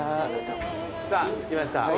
さあ着きました。